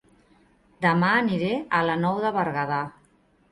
Dema aniré a La Nou de Berguedà